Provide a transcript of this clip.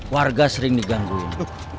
warga sering digangguin